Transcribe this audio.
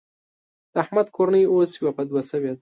د احمد کورنۍ اوس يوه په دوه شوېده.